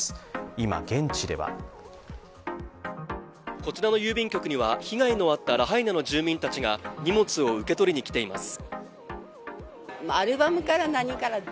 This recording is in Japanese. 今、現地ではこちらの郵便局には、被害のあったラハイナの住民たちが荷物を受け取りにきています。